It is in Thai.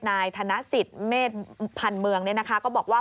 นายธนสิทธิ์เมษภัณฑ์เมืองก็บอกว่า